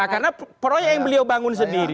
karena proyek yang beliau bangun sendiri